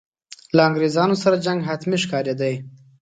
له انګرېزانو سره جنګ حتمي ښکارېدی.